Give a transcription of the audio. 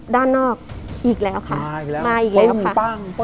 ด้านนอกอีกแล้วค่ะมาอีกแล้วค่ะปึ้งปั้งปึ้ง